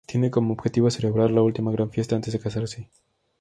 Tiene como objetivo celebrar la última gran fiesta antes de casarse.